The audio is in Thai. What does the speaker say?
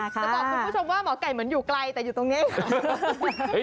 จะบอกคุณผู้ชมว่าหมอไก่เหมือนอยู่ไกลแต่อยู่ตรงนี้ค่ะ